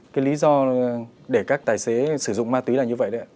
cái lý do để các tài xế sử dụng ma túy là như vậy đấy